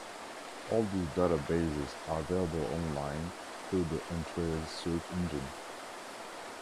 All these databases are available online through the Entrez search engine.